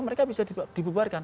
mereka bisa dibubarkan